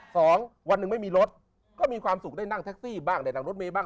สองวันหนึ่งไม่มีรถก็มีความสุขได้นั่งแท็กซี่บ้างได้นั่งรถเมย์บ้าง